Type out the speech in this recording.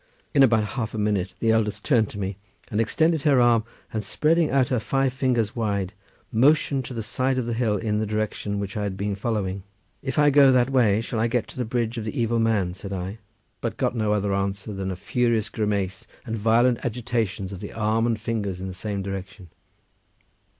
In about half a minute the eldest turned to me, and extending her arm, and spreading out her five fingers wide, motioned to the side of the hill in the direction which I had been following. "If I go that way shall I get to the bridge of the evil man?" said I; but got no other answer than a furious grimace and violent agitations of the arm and fingers in the same direction.